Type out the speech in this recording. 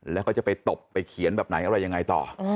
แล้วเขาจะไปตบไปเขียนแบบไหนอะไรยังไงต่อ